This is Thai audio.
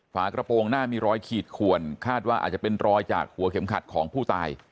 ฝากระโปรงหน้ามีรอยขีดขวนคาดว่าอาจจะเป็นรอยจากหัวเข็มขัดของผู้ตาย